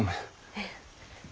ええ。